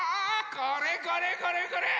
これこれこれこれ！